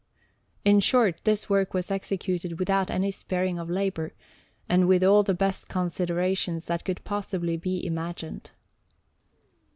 In short, this work was executed without any sparing of labour, and with all the best considerations that could possibly be imagined.